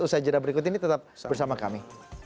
usaha jenah berikut ini tetap bersama kami